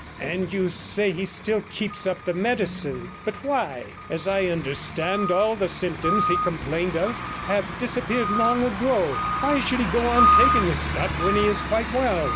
'And you say he still keeps up the medicine? But why? As I understand, all the symptoms he complained of have disappeared long ago; why should he go on taking the stuff when he is quite well?